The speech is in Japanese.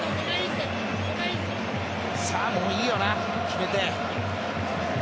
もういいよな、決めて。